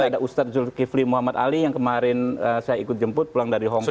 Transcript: ada ustadz zulkifli muhammad ali yang kemarin saya ikut jemput pulang dari hongkong